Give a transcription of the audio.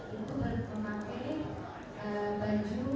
itu bertemu pakai baju